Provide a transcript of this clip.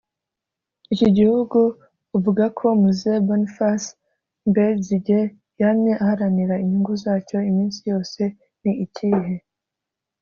Iki gihugu uvuga ko Mzee Boniface Benzige yamye aharanira inyungu zacyo iminsi yose ni ikihe